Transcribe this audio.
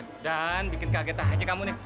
aduh dhan bikin kagetan aja kamu nih